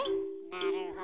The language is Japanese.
なるほど。